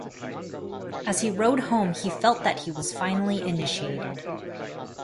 As he rode home he felt that he was finally initiated.